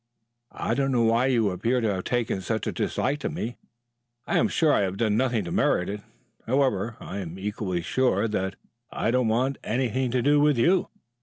"I don't know why you appear to have taken such a dislike to me. I am sure I have done nothing to merit it. However, I am equally sure that I don't want anything to do with you.